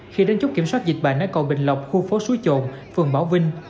khi đánh chút kiểm soát dịch bệnh ở cầu bình lộc khu phố xuối trộn phường bảo vinh